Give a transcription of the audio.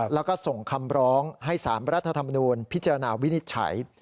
แล้วก็ส่งคำร้องให้๓รัฐธรรมนูญพิจารณาวินิจฉัย